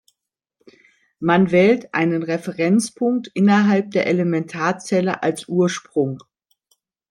Man wählt einen Referenzpunkt innerhalb der Elementarzelle als Ursprung.